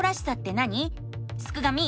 すくがミ！